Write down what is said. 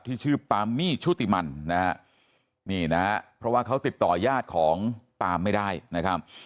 ที่ชื่อปามมี่ชุติมันนะฮะนี่นะเพราะว่าเขาติดต่อยาดของปามไม่ได้นะครับ